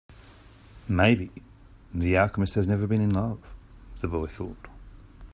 Maybe the alchemist has never been in love, the boy thought.